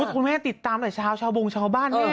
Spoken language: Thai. ทุกคนมัที่ติดตามชาวบุงชาวบ้านแน่